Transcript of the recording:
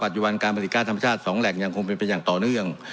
จุบันการผลิตก้าธรรมชาติ๒แหล่งยังคงเป็นไปอย่างต่อเนื่อง